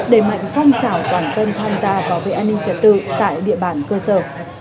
đề mạnh phong trào quản dân tham gia bảo vệ an ninh trả tự tại địa bản cơ sở